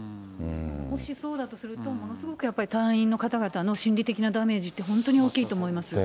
もしそうだとすると、ものすごくやっぱり隊員の方々の心理的なダメージって本当に大きいと思います。